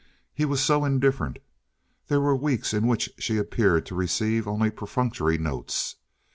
He was so indifferent. There were weeks in which she appeared to receive only perfunctory notes.